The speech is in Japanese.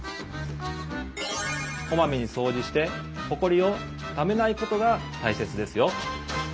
こまめにそうじしてほこりをためないことがたいせつですよ。